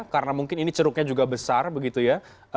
karena mungkin ini ceruknya juga besar begitu ya